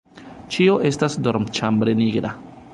Ĉio estas dormĉambre nigra.